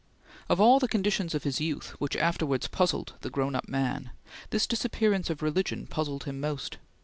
Of all the conditions of his youth which afterwards puzzled the grown up man, this disappearance of religion puzzled him most.